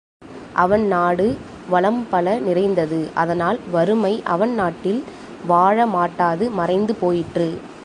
அவன் நாடு வளம் பல நிறைந்திருந்தது அதனால், வறுமை அவன் நாட்டில் வாழமாட்டாது மறைந்து போயிற்று.